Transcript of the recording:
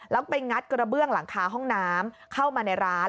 แล้วไปงัดกระเบื้องหลังคาห้องน้ำเข้ามาในร้าน